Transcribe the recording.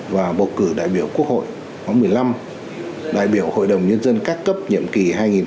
và bầu cử đại biểu quốc hội năm hai nghìn một mươi năm đại biểu hội đồng nhân dân các cấp nhiệm kỳ hai nghìn hai mươi một hai nghìn hai mươi một